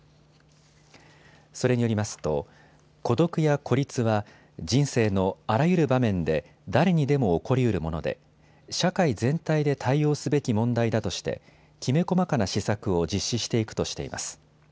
それによりますと孤独や孤立は人生のあらゆる場面で誰にでも起こりうるもので社会全体で対応すべき問題だとしてきめ細かな施策を実施していくとしています。